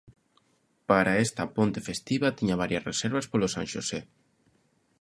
Para esta ponte festiva tiña varias reservas polo San Xosé.